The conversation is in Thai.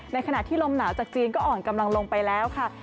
ในขณะที่ลมหนาวจากจีนก็อ่อนกำลังลงไปแล้วค่ะ